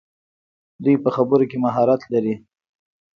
دوی په خبرو کې مهارت لري.